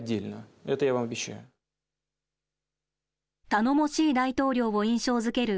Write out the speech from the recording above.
頼もしい大統領を印象づける